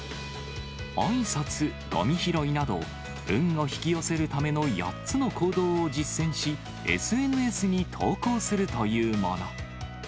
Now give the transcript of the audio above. あいさつ、ごみ拾いなど、運を引き寄せるための８つの行動を実践し、ＳＮＳに投稿するというもの。